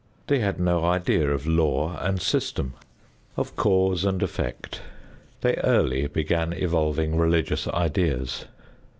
They had no idea of law and system, of cause and effect. They early began evolving religious ideas.